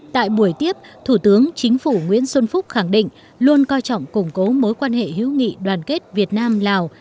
tại buổi tiếp thủ tướng chính phủ nguyễn xuân phúc khẳng định luôn coi trọng củng cố mối quan hệ hữu nghị đoàn kết việt nam lào